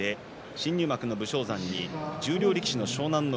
新入幕の武将山に十両力士の湘南乃